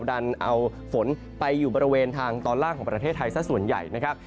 ดันเอาฝนไปอยู่บริเวณทางตอนล่างของประเทศไทยซะส่วนใหญ่นะครับ